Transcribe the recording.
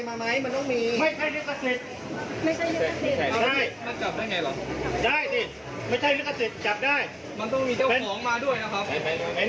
มันต้องมีเจ้าของมาด้วยนะครับ